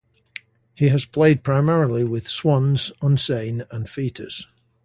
He has played primarily with Swans, Unsane, and Foetus.